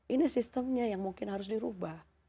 ini sistemnya yang mungkin harus dirubah